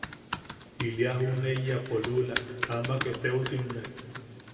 Ili a juʼuneiyapo luula amak eteosimne.